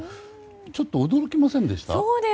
ちょっと驚きませんでした？